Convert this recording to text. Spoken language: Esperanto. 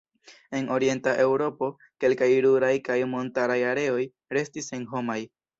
En Orienta Eŭropo kelkaj ruraj kaj montaraj areoj restis senhomaj.